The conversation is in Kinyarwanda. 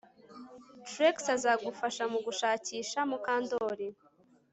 Trix azagufasha mugushakisha Mukandoli